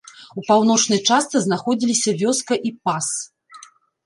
У паўночнай частцы знаходзіліся вёска і пас.